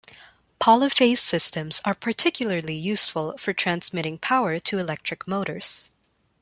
Polyphase systems are particularly useful for transmitting power to electric motors.